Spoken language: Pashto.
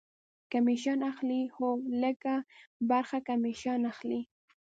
کمیشن اخلي؟ هو، لږ ه برخه کمیشن اخلی